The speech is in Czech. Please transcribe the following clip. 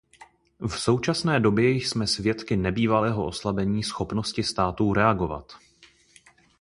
V současné době jsme svědky nebývalého oslabení schopnosti států reagovat.